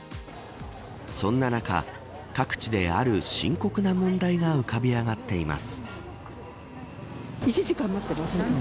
そんな中、各地である深刻な問題が浮かび上がっています。